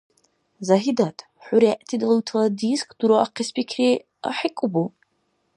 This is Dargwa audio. Загьидат, хӀу регӀти далуйтала диск дураахъес пикри ахӀекӀубу?